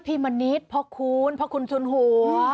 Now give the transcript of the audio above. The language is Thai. พี่มณิชขอบคุณขอบคุณทุนหัว